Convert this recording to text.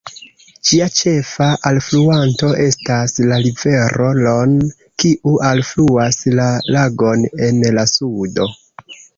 Ĝia ĉefa alfluanto estas la rivero "Ron", kiu alfluas la lagon en la sudo.